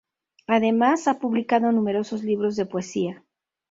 Además, ha publicado numerosos libros de poesía.